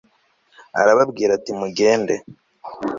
arababwira ati mugende